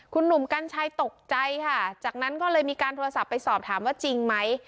คุณหนุ่มกัญชัยตกใจค่ะจากนั้นก็เลยมีการโทรศัพท์ไปสอบถามว่าจริงไหม